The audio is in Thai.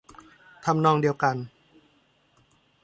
ทำนองเดียวกัน